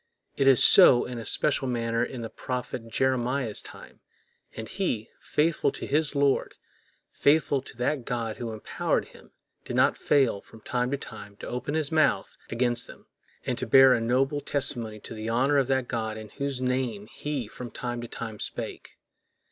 It was so in a special manner in the prophet Jeremiah's time; and he, faithful to his Lord, faithful to that God who employed him, did not fail from time to time to open his mouth against them, and to bear a noble testimony to the honor of that God in whose name he from time to time spake.